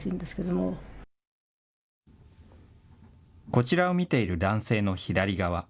こちらを見ている男性の左側。